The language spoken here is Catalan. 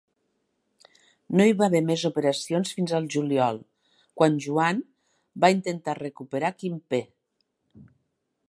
No hi va haver més operacions fins al juliol, quan Joan va intentar recuperar Quimper.